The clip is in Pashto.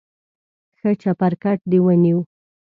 ښه چپرکټ دې ونیو.